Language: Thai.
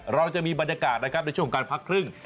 เราจะมีบรรยากาศนะครับในช่วงของการพักครึ่ง